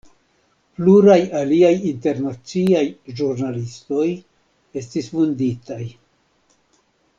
Pluraj aliaj internaciaj ĵurnalistoj estis vunditaj.